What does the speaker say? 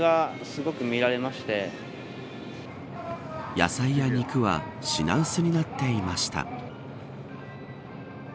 野菜や肉は品薄になっていました。